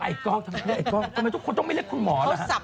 อ๋อไอ้กล้องทำไมทุกคนไม่ได้คุณหมอนะ